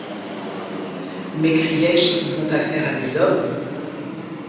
m’écriai-je qu’ils ont affaire à des hommes.